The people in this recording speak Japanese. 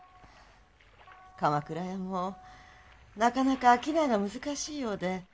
鎌倉屋もなかなか商いが難しいようで。